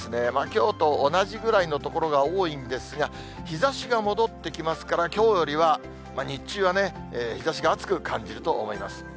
きょうと同じぐらいの所が多いんですが、日ざしが戻ってきますから、きょうよりは日中はね、日ざしが熱く感じると思います。